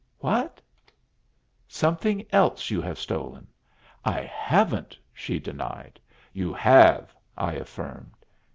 "What?" "Something else you have stolen." "I haven't," she denied. "You have," I affirmed.